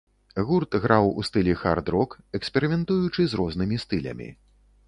Гурт граў у стылі хард-рок, эксперыментуючы з рознымі стылямі.